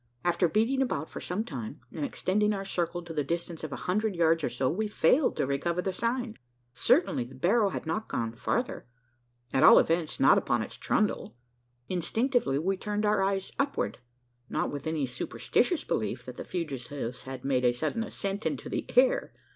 After beating about for some time, and extending our circle to the distance of a hundred yards or so, we failed to recover the sign. Certainly the barrow had not gone farther at all events, not upon its trundle. Instinctively, we turned our eyes upward not with any superstitious belief that the fugitives had made a sudden ascent into the air.